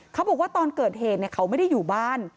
เขาบอกว่าตอนเกิดเหตุเขาไม่ได้อยู่บ้าน